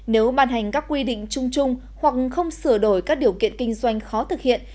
nếu ban hành các quy định chung chung hoặc không sửa đổi các điều kiện kinh doanh khó thực hiện